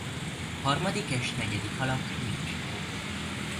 Harmadik és negyedik alak nincs.